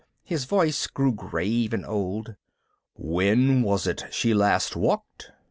His voice grew grave and old. "When was it she last walked?"